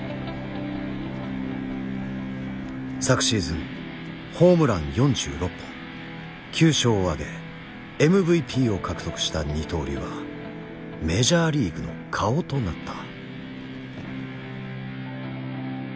昨シーズンホームラン４６本９勝をあげＭＶＰを獲得した二刀流はメジャーリーグの顔となった。